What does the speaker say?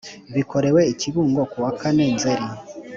Bikorewe i Kibungo ku wa kane nzeri